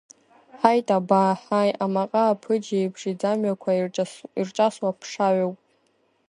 Ҳаит, абаа, ҳаи, амаҟа аԥыџьеиԥш, иӡамҩақәа ирҿасуа ԥшаҩоуп.